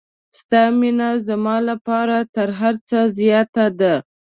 ستا مینه زما لپاره تر هر څه زیاته ده.